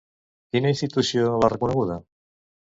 Quina institució l'ha reconeguda?